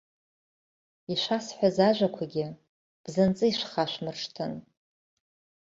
Ишәасҳәаз ажәақәагьы бзанҵы ишәхашәмыршҭын.